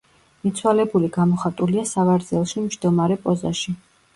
მიცვალებული გამოხატულია სავარძელში მჯდომარე პოზაში.